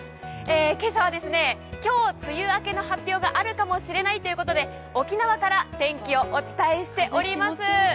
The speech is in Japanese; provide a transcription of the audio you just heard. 今朝は今日、梅雨明けの発表があるかもしれないということで沖縄から天気をお伝えしております。